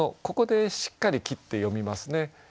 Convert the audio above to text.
ここでしっかり切って読みますね。